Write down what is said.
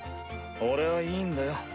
俺はいいんだよ。